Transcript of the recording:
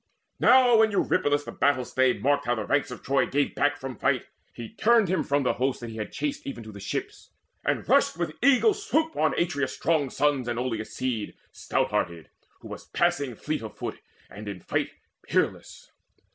Now when Eurypylus the battle stay Marked how the ranks of Troy gave back from fight, He turned him from the host that he had chased Even to the ships, and rushed with eagle swoop On Atreus' strong sons and Oileus' seed Stout hearted, who was passing fleet of foot And in fight peerless.